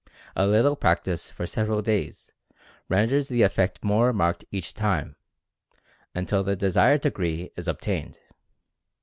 A little practice for several days, renders the effect more marked each time, until the desired degree is obtained.